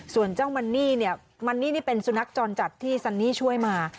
ส่วนเจ้ามันนี่เนี่ยมันนี่นี่เป็นสุนัขจรจัดที่ซันนี่ช่วยมา